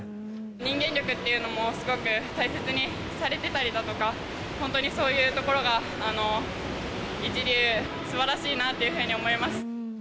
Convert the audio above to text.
人間力っていうのもすごく大切にされてたりだとか、本当にそういうところが一流、すばらしいなというふうに思います。